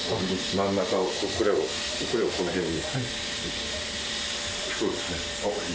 真ん中をこの辺に。